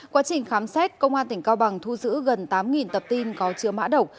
quá trình khám xét công an tỉnh cao bằng thu giữ gần tám tập tin có chứa mã độc